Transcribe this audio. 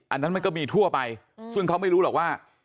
อันนั้นมันก็มีทั่วไปซึ่งเขาไม่รู้หรอกว่า